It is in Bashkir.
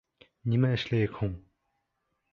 Нимә эшләйек һуң?